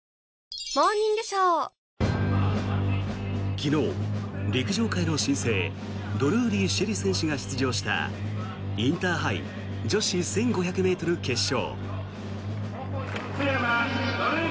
昨日、陸上界の新星ドルーリー朱瑛里選手が出場したインターハイ女子１５００ｍ決勝。